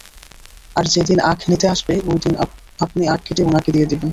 আর যেদিন আখ নিতে আসবে, ওইদিন আপনি আখ কেটে উনাকে দিয়ে দিবেন।